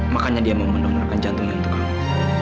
makanya dia mau mendonorkan jantungnya untuk kamu